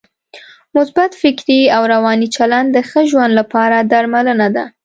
مثبت فکري او روانی چلند د ښه ژوند لپاره درملنه ده.